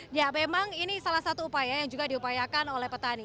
ya memang ini salah satu upaya yang juga diupayakan oleh petani